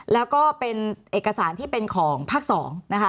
แล้วก็เป็นเอกสารที่เป็นของภาค๒นะคะ